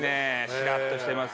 しらっとしてますね。